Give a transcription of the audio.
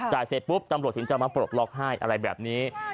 เสร็จปุ๊บตำรวจถึงจะมาปลดล็อกให้อะไรแบบนี้